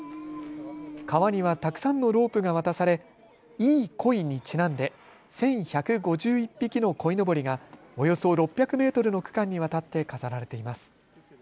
川にはたくさんのロープが渡されいいこいにちなんで１１５１匹のこいのぼりがおよそ６００メートルの区間にわたって飾られています。